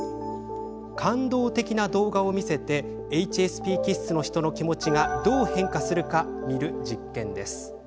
感動的な動画を見せてＨＳＰ気質の人の気持ちがどう変化するか見る実験です。